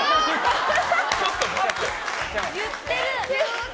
言ってる！